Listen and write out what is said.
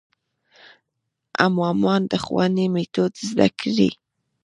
امامان د ښوونې میتود زده کړي.